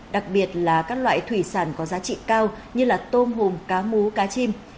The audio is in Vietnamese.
đặc biệt là các loại thủy sản có giá trị cao như tôm hùm cá mú cá chim